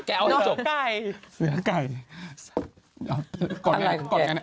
อะไรคือเสือไก่